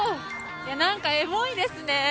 いや何かエモいですね。